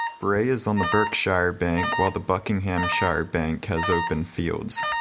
Bray is on the Berkshire bank while the Buckinghamshire bank has open fields.